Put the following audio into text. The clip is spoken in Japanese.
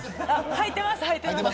履いてます。